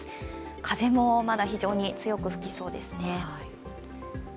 風もまだ非常に強く吹きそうですね。